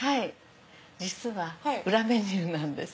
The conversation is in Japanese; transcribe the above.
実は裏メニューなんです。